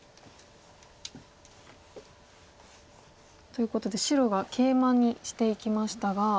ということで白はケイマにしていきましたが。